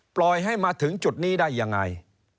ปล่อยให้มาถึงจุดนี้ได้ยังไง